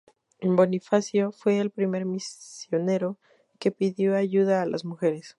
Bonifacio fue el primer misionero que pidió ayuda a las mujeres.